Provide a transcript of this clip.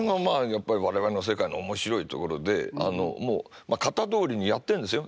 やっぱり我々の世界の面白いところでもう型どおりにやってるんですよ。